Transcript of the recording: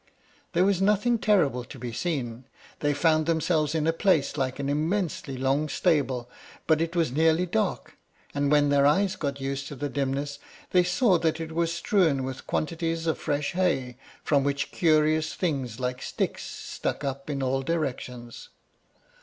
There was nothing terrible to be seen. They found themselves in a place like an immensely long stable; but it was nearly dark, and when their eyes got used to the dimness, they saw that it was strewed with quantities of fresh hay, from which curious things like sticks stuck up in all directions.